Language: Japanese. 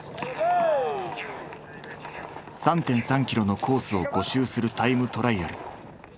３．３キロのコースを５周するタイムトライアル。